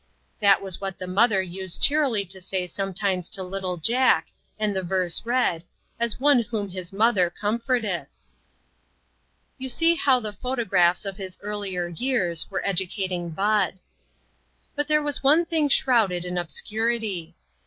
That was what the mother used cheerily to say sometimes to little Jack, and the verse read, "as one whom his mother comforteth." 2/6 INTERRUPTED. You see how the photographs of his earlier years were educating Bud. But there was one thing shrouded in ob scurity.